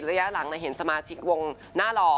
ระยะหลังเห็นสมาชิกวงหน้าหล่อ